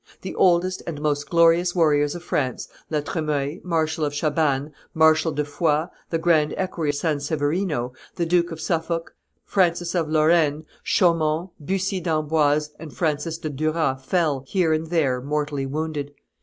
The oldest and most glorious warriors of France, La Tremoille, Marshal de Chabannes, Marshal de Foix, the grand equerry San Severino, the Duke of Suffolk, Francis of Lorraine, Chaumont, Bussy d'Amboise, and Francis de Duras fell, here and there, mortally wounded.